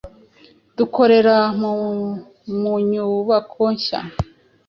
Dukorera mu munyubako nshya